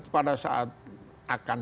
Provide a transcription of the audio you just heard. pada saat akan